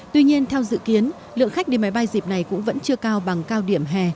tuy nhiên theo dự kiến lượng khách đi máy bay dịp này cũng vẫn chưa cao bằng cao điểm hè